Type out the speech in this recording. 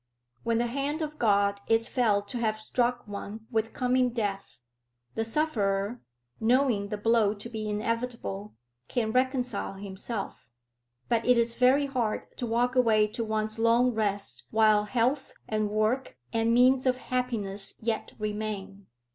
When the hand of God is felt to have struck one with coming death, the sufferer, knowing the blow to be inevitable, can reconcile himself; but it is very hard to walk away to one's long rest while health, and work, and means of happiness yet remain."